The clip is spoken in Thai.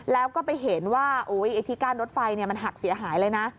แล้วก็ไปเห็นว่าไอ้ที่กั้นรถไฟมันหักเสียหายเลยนะ